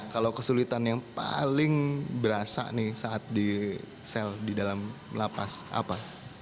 kalau kesulitan yang paling berasa nih saat di sel di dalam lapas apa